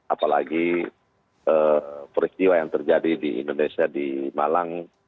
apalagi peristiwa yang terjadi di indonesia di malang